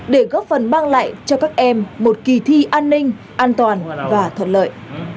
để góp phần mang lại cho các em một kỳ thi an ninh an toàn và thuận lợi